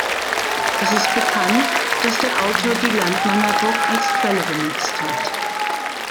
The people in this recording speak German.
Es ist bekannt, dass der Autor die Landnámabók als Quelle benutzt hat.